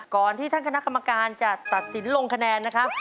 ก่อนที่ท่านคณะกรรมการจะตัดสินลงคะแนนนะครับ